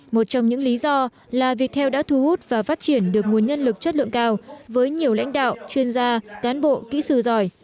một trong những lý do là viettel đã thu hút và phát triển được nguồn nhân lực chất lượng cao với nhiều lãnh đạo chuyên gia cán bộ kỹ sư giỏi